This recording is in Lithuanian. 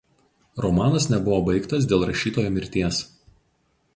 Romanas nebuvo baigtas dėl rašytojo mirties.